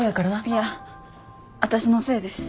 いや私のせいです。